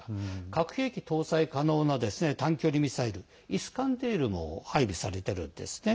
核兵器搭載可能な短距離ミサイル「イスカンデル」も配備されているんですね。